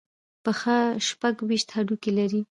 پښه شپږ ویشت هډوکي لري.